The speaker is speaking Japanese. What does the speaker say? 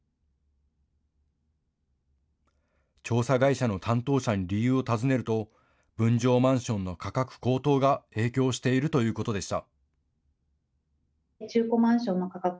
調査会社の担当者に理由を尋ねると分譲マンションの価格高騰が影響しているということでした。